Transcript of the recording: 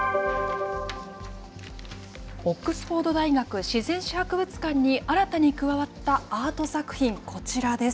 オックスフォード大学自然史博物館に新たに加わったアート作品、こちらです。